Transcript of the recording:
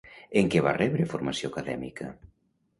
En què va rebre formació acadèmica?